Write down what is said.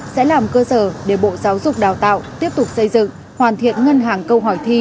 sẽ làm cơ sở để bộ giáo dục đào tạo tiếp tục xây dựng hoàn thiện ngân hàng câu hỏi thi